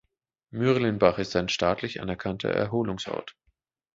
Mürlenbach ist ein staatlich anerkannter Erholungsort.